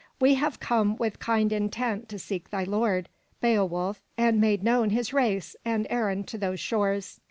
'' "We have come with kind intent to seek thy lord," said Beo wulf, and made known his race and errand to those shores.